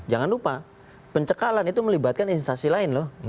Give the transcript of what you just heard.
jangan lupa pencekalan itu melibatkan instansi lain loh